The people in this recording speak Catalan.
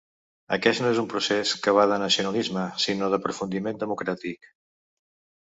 Aquest no és un procés que va de nacionalisme, sinó d’aprofundiment democràtic.